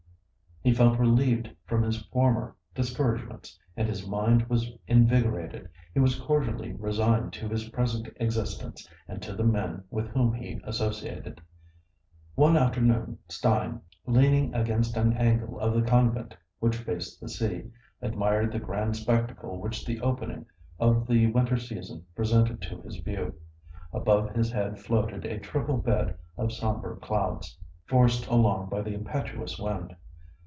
He felt relieved from his former discouragements, and his mind was invigorated; he was cordially resigned to his present existence, and to the men with whom he associated. One afternoon, Stein, leaning against an angle of the convent which faced the sea, admired the grand spectacle which the opening of the winter season presented to his view. Above his head floated a triple bed of sombre clouds, forced along by the impetuous wind.